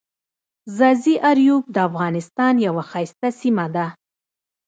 ځاځي اریوب دافغانستان یوه ښایسته سیمه ده.